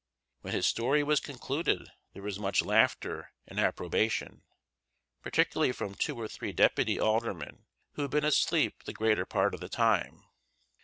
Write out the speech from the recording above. When his story was concluded there was much laughter and approbation, particularly from two or three deputy aldermen who had been asleep the greater part of the time.